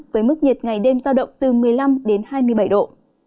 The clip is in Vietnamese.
với mức nhiệt ngày đêm do động từ một mươi năm hai mươi bảy độ